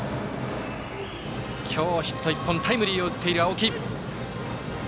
今日、ヒット１本タイムリーを打っている青木。